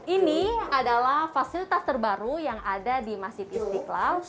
ini adalah fasilitas terbaru yang ada di masjid istiqlal